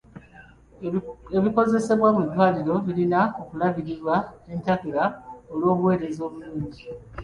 Ebikozesebwa mu ddwaliro birina okulabirirwa entakera olw'obuweereza obulungi.